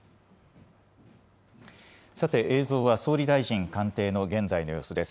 さて映像は総理大臣官邸の現在の様子です。